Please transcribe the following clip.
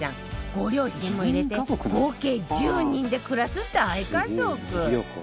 ご両親も入れて合計１０人で暮らす大家族